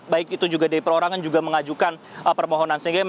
baik itu juga dari perorangan juga mengajukan permohonan